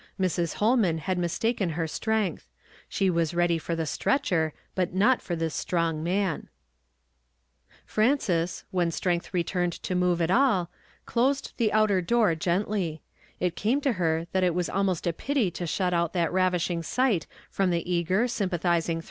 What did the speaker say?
j\Irs. Ilolman had mistaken her strength ; slie was ready for the stretcher, but not for this strong man. Frances, wlicn strength returned to move at all, closed the outer door gently ; it came to her that it was almost a pity to shut out that ravishing sight from the eager, sympathizing throng, — "WE HAVE HEARD HIS VOICE a S7 istinctly J.